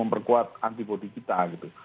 perkuat antibody kita gitu